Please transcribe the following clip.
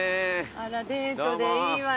あらデートでいいわね。